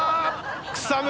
草村